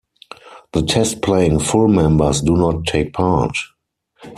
The test-playing Full members do not take part.